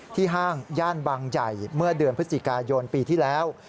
ห้างย่านบางใหญ่เมื่อเดือนพฤศจิกายนปีที่แล้ว